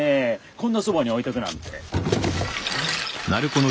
こんなそばに置いとくなんて。